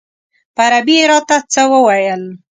په عربي یې راته څه وویل.